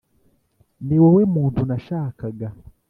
niwowe muntu nashakaga.